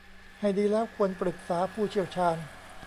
ให้ดีแล้วควรปรึกษาผู้เชี่ยวชาญ